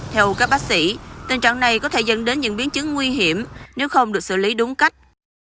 theo các bác sĩ tình trạng này có thể dẫn đến những biến chứng nguy hiểm nếu không được xử lý đúng cách